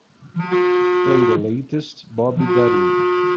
Play the latest Bobby Darin.